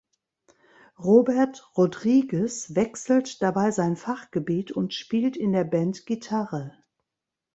Robert Rodriguez wechselt dabei sein Fachgebiet und spielt in der Band Gitarre.